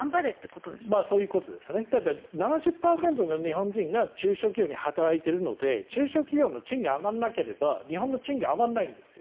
７０％の日本人が中小企業で働いているので中小企業の賃金が上がらなければ日本の賃金は上がらないんですよ。